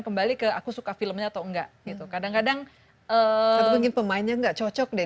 kembali ke aku suka filmnya atau enggak gitu kadang kadang tapi mungkin pemainnya nggak cocok deh